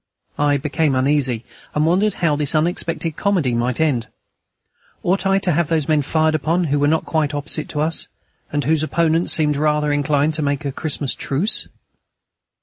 I became uneasy, and wondered how this unexpected comedy might end. Ought I to have those men fired upon who were not quite opposite to us, and whose opponents seemed rather inclined to make a Christmas truce?